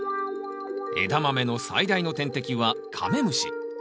エダマメの最大の天敵はカメムシ。